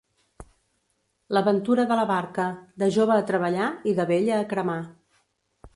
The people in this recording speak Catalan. La ventura de la barca: de jove a treballar i de vella a cremar.